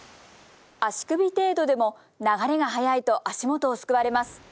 足首程度でも、流れが速いと足元をすくわれます。